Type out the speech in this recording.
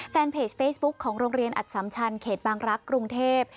แฟนเพจเฟซบุ๊คของโรงเรียนอัดสำชันเขตบางรักษ์กรุงเทพ